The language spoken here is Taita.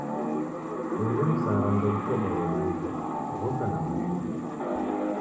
Ughu msara ndighushedero nicha ghoka na mashindi.